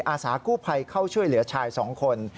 อาสากู้ภัยเข้าช่วยเหลือชาย๒คน